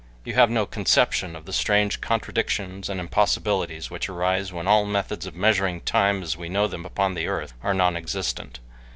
You have no conception of the strange contradictions and impossibilities which arise when all methods of measuring time, as we know them upon earth, are non existent.